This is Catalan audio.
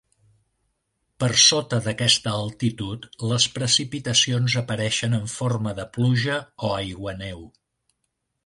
Per sota d'aquesta altitud les precipitacions apareixen en forma de pluja o aiguaneu.